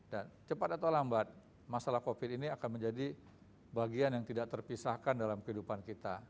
dan cepat atau lambat masalah covid sembilan belas ini akan menjadi bagian yang tidak terpisahkan dalam kehidupan kita